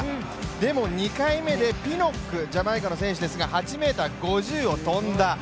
でも２回目でピノック、ジャマイカの選手ですが、８ｍ５０を跳んだ。